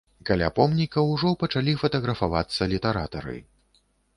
Каля помніка ўжо пачалі фатаграфавацца літаратары.